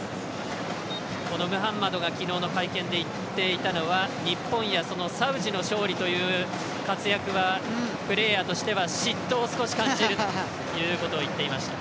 このムハンマドが昨日の会見で言っていたのが日本やサウジの勝利という活躍はプレーヤーとしては嫉妬を少し感じるということを言っていました。